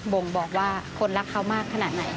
บ่งบอกว่าคนรักเขามากขนาดไหน